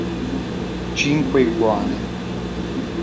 Cinque iguane.